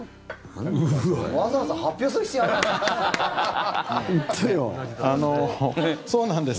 わざわざ発表する必要あります？